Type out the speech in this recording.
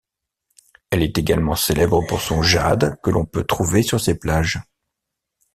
Elle est également célèbre pour son jade que l'on peut trouver sur ses plages.